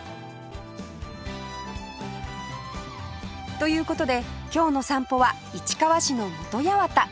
という事で今日の散歩は市川市の本八幡